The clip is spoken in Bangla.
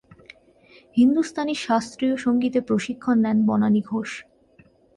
হিন্দুস্তানী শাস্ত্রীয় সঙ্গীতে প্রশিক্ষণ নেন বনানী ঘোষ।